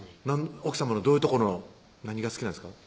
奥さまのどういうとこの何が好きなんですか？